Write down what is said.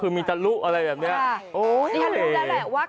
แถมมีสรุปอีกต่างหาก